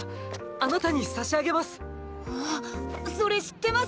あなたに差し上げます！！